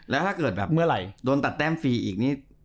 แล้วถ้าเกิดแบบโดนตัดแต้มฟรีอีก